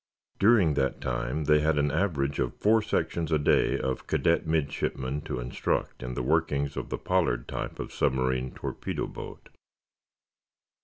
During that time they had an average of four sections a day of cadet midshipmen to instruct in the workings of the Pollard type of submarine torpedo boat.